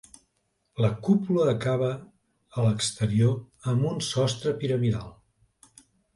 La cúpula acaba a l'exterior amb un sostre piramidal.